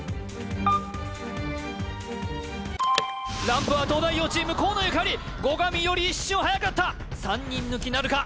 ランプは東大王チーム河野ゆかり後上より一瞬はやかった３人抜きなるか？